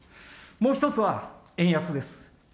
もう一つは円安です。